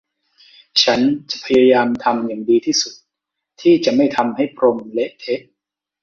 ฉันจะพยายามทำอย่างดีที่สุดที่จะไม่ทำให้พรมเละเทะ